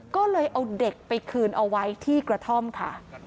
ก็เลยเอาเด็กไปคืนเอาไว้ที่กระท่อมค่ะ